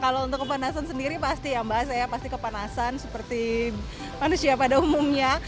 kalau untuk kepanasan sendiri pasti ya mbak saya pasti kepanasan seperti manusia pada umumnya